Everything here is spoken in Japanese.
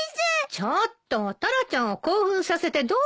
ちょっとタラちゃんを興奮させてどうするのよ。